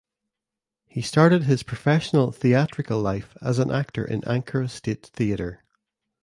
He started his professional theatrical life as an actor in Ankara State Theatre.